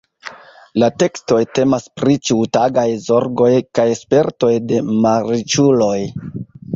La tekstoj temas pri ĉiutagaj zorgoj kaj spertoj de malriĉuloj.